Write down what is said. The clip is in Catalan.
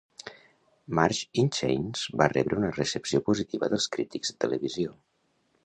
"Marge in Chains" va rebre una recepció positiva dels crítics de televisió.